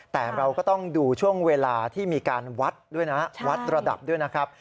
แต่เราก็ต้องดูช่วงเวลาที่มีการวัดด้วยนะวัดระดับด้วยนะครับ